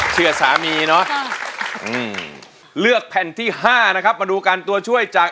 เชื่อสามีเนาะเลือกแผ่นที่๕นะครับมาดูกันตัวช่วยจาก